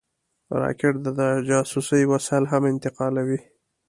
راکټ د جاسوسۍ وسایل هم انتقالوي